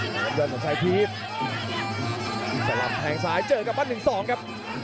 กระโดยสิ้งเล็กนี่ออกกันขาสันเหมือนกันครับ